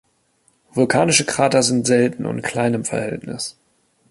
Vulkanische Krater sind selten und klein im Verhältnis.